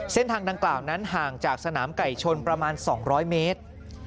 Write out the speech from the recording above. เส้นทางดังกล่าวนั้นห่างจากสนามไก่ชนประมาณ๒๐๐เมตร